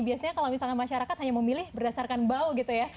biasanya kalau misalkan masyarakat hanya memilih berdasarkan bau gitu ya